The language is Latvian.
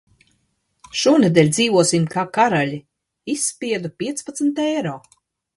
Šonedēļ dzīvosim kā karaļi, izspiedu piecpadsmit eiro.